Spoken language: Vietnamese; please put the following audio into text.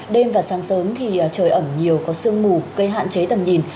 đêm và sáng sớm thì trời ẩm nhiều có sương mù gây hạn chế tầm nhìn